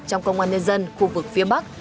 trong công an nhân dân khu vực phía bắc